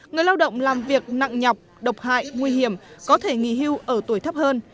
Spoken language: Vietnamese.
người lao động làm việc nặng nhọc độc hại nguy hiểm có thể nghỉ hưu ở tuổi thấp hơn